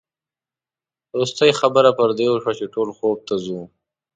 وروستۍ خبره پر دې وشوه چې ټول خوب ته ځو.